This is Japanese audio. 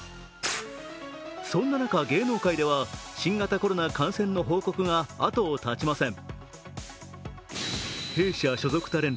そんな中、芸能界では新型コロナウイルス感染の報告が後を絶ちません。